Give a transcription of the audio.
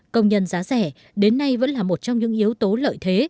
công nhân giá rẻ đến nay vẫn là một trong những yếu tố lợi thế